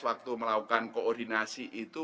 waktu melakukan koordinasi itu